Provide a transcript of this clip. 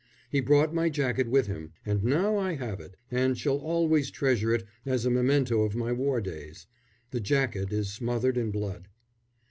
He brought my jacket with him, and now I have it, and shall always treasure it as a memento of my war days. The jacket is smothered in blood.